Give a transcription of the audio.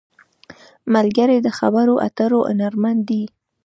ملګری د خبرو اترو هنرمند دی